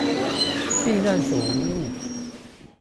避難所無誤